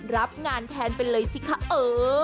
รับงานแทนไปเลยสิคะเออ